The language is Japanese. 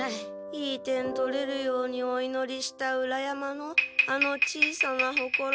いい点取れるようにお祈りした裏山のあの小さなほこらの。